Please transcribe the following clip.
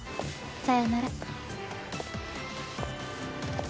さよなら。